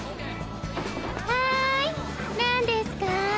はいなんですか？